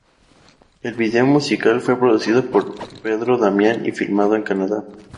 El video musical fue producido por Pedro Damián y filmado en Canadá.